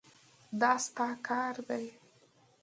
دا ستا کار دی.